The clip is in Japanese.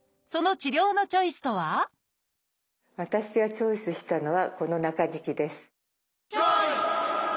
その治療のチョイスとは私がチョイスしたのはこの中敷きです。